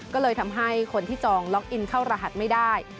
ก็เลยทำให้คนที่จองล็อกอินเข้ารหัสไม่ได้